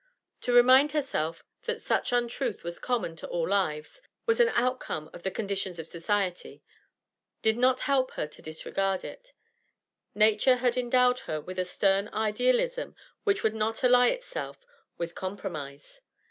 To remind herself that such untruth was common to all lives, was an outcome of the conditions of society, did not help her to disregard it; nature had endowed her with a stern idealism which would not ally itself with compromise.